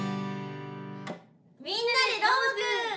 「みんなＤＥどーもくん！」